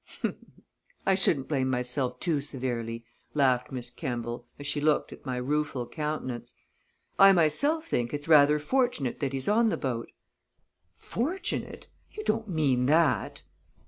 "I shouldn't blame myself too severely," laughed Miss Kemball, as she looked at my rueful countenance. "I myself think it's rather fortunate that he's on the boat." "Fortunate? You don't mean that!"